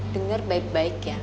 dengar baik baik ya